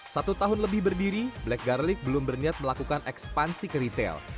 satu tahun lebih berdiri black garlic belum berniat melakukan ekspansi ke retail